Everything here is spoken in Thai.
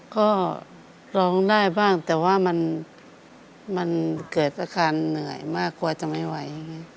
ก็ร้องได้บ้างแต่ว่ามันเกิดอาการเหนื่อยมากกลัวจะไม่ไหว